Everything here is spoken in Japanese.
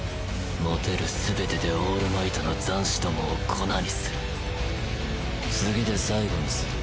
持てる全てでオールマイトの残滓どもを粉にする次で最後にする。